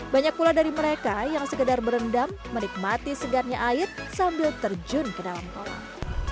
banyak pula dari mereka yang sekedar berendam menikmati segarnya air sambil terjun ke dalam kolam